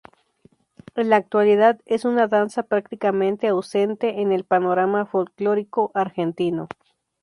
En la actualidad es una danza prácticamente ausente en el panorama folklórico argentino.